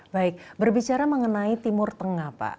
baik berbicara mengenai timur tengah pak